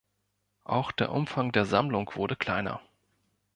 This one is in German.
Auch der Umfang der Sammlung wurde kleiner.